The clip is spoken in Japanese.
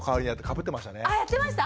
あやってました？